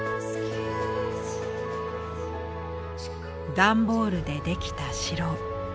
段ボールでできた城。